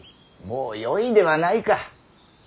もうよいではないか。